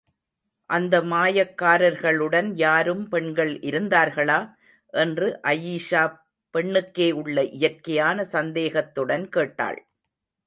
அந்த மாயக்காரர்களுடன் யாரும் பெண்கள் இருந்தார்களா? என்று அயீஷா, பெண்ணுக்கே உள்ள இயற்கையான சந்தேகத்துடன் கேட்டாள்.